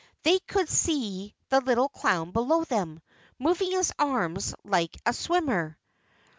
They could see the little clown below them, moving his arms like a swimmer.